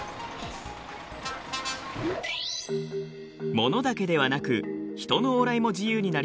物だけではなく人の往来も自由になりました。